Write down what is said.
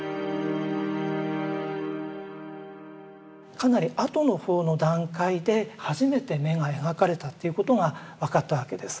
かなり後の方の段階で初めて眼が描かれたっていうことが分かったわけです。